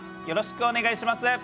よろしくお願いします。